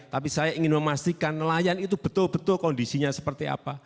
tapi saya ingin memastikan nelayan itu betul betul kondisinya seperti apa